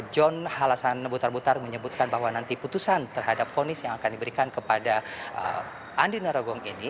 john halasanebutarbutar menyebutkan bahwa nanti putusan terhadap vonis yang akan diberikan kepada andi naragong ini